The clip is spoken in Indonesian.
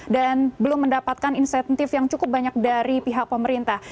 dan belum mendapatkan insentif yang cukup banyak dari pihak pemerintah